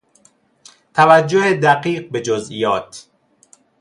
توجه دقیق به جزئیات